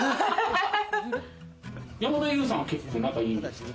山田優さん、結構仲いいんですか？